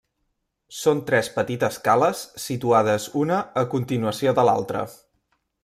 Són tres petites cales situades una a continuació de l'altra.